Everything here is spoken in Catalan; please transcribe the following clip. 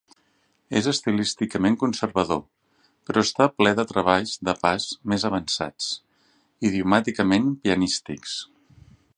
És estilísticament conservador, però està ple de treballs de pas més avançats, idiomàticament pianístics.